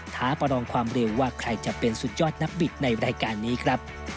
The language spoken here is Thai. ท้าประลองความเร็วว่าใครจะเป็นสุดยอดนักบิดในรายการนี้ครับ